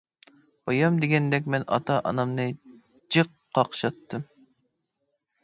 -بايام دېگەندەك مەن ئاتا-ئانامنى جىق قاقشاتتىم.